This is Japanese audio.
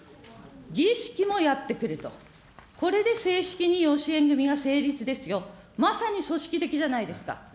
儀式もやってくれと、これで正式に養子縁組みが成立ですよ、まさに組織的じゃないですか。